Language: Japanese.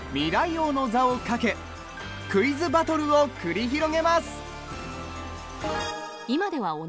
王の座を懸けクイズバトルを繰り広げます。